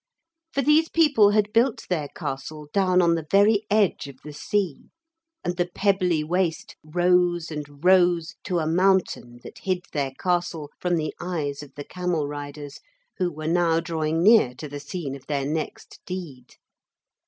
For these people had built their castle down on the very edge of the sea, and the Pebbly Waste rose and rose to a mountain that hid their castle from the eyes of the camel riders who were now drawing near to the scene of their next deed.